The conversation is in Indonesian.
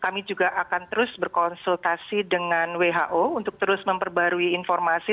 kami juga akan terus berkonsultasi dengan who untuk terus memperbarui informasi